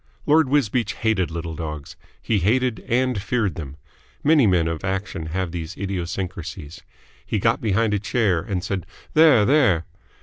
Lord Wisbeach hated little dogs. He hated and feared them. Many men of action have these idiosyncrasies. He got behind a chair and said "There, there."